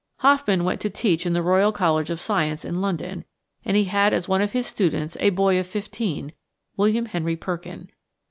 Hofmann went to teach in the Royal College of Science in London, and he had as one of his students a boy of fifteen, William Henry Perkin.